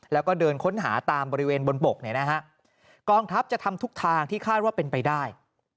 แล้วก็เดินค้นหาตามบริเวณบนบกเนี่ยนะฮะกองทัพจะทำทุกทางที่คาดว่าเป็นไปได้